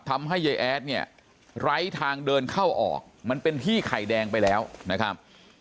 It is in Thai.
ทำให้ยายแอดเนี่ยไร้ทางเดินเข้าออกมันเป็นที่ไข่แดงไปแล้วนะครับ